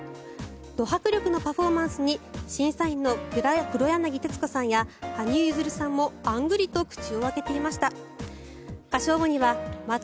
ド迫力のパフォーマンスに審査員の黒柳徹子さんや羽生結弦さんもあんぐりと口を開けていました。